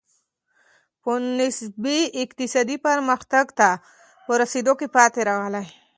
په نسبي اقتصادي پرمختګ ته په رسېدو کې پاتې راغلي دي.